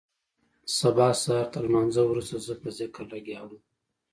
سبا سهارتر لمانځه وروسته زه په ذکر لگيا وم.